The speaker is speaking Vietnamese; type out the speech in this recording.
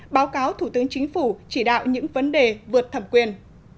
một mươi năm báo cáo thủ tướng chính phủ chỉ đạo những vấn đề vượt thẩm quyền